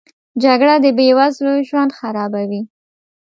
جګړه د بې وزلو ژوند خرابوي